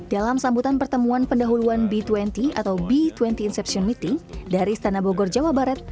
dalam sambutan pertemuan pendahuluan b dua puluh atau b dua puluh inception meeting dari istana bogor jawa barat